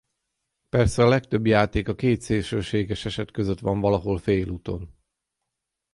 Persze a legtöbb játék a két szélsőséges eset között van valahol félúton.